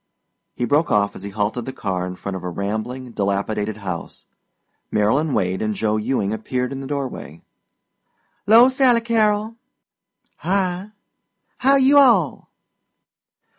He broke off as he halted the car in front of a rambling, dilapidated house. Marylyn Wade and Joe Ewing appeared in the doorway. "'Lo Sally Carrol." "Hi!" "How you all?"